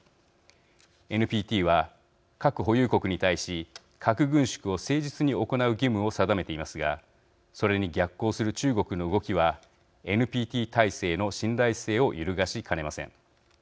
ＮＰＴは、核保有国に対し核軍縮を誠実に行う義務を定めていますがそれに逆行する中国の動きはＮＰＴ体制の信頼性を揺るがしかねません。